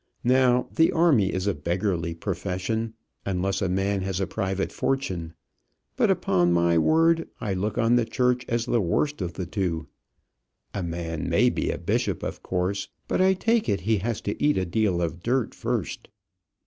Now, the army is a beggarly profession unless a man has a private fortune; but, upon my word, I look on the church as the worst of the two. A man may be a bishop of course; but I take it he has to eat a deal of dirt first."